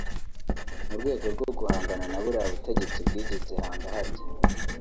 mu rwego rwo guhangana na buriya butegetsi bwigize hanga harya